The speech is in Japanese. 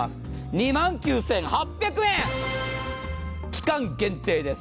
２万９８００円、期間限定です。